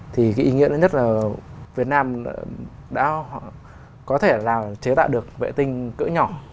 thì cái ý nghĩa lớn nhất là việt nam đã có thể là chế tạo được vệ tinh cỡ nhỏ